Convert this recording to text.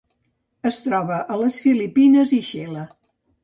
Es troba a les Filipines i Xile.